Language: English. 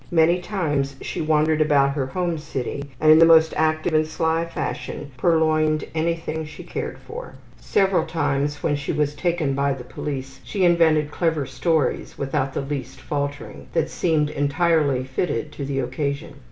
Many times she wandered about her home city and in the most active and sly fashion purloined anything she cared for. Several times when she was taken by the police she invented clever stories, without the least faltering, that seemed entirely fitted to the occasion.